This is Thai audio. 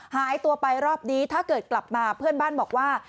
หายตัวไปรอบนี้ถ้าเกิดกลับมาเพื่อนบ้านบอกว่า